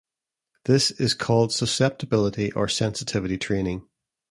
This is called susceptibility or sensitivity testing.